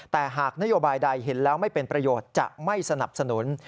แต่หากนโยบายใดเห็นแล้วไม่เป็นประโยชน์จะไม่สนับสนุน